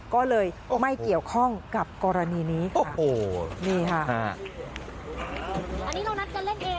ก็เลยไม่เกี่ยวข้องกับกรณีนี้ค่ะ